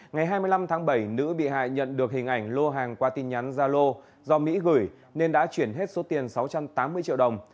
ngày hai mươi năm tháng bảy nữ bị hại nhận được hình ảnh lô hàng qua tin nhắn gia lô do mỹ gửi nên đã chuyển hết số tiền sáu trăm tám mươi triệu đồng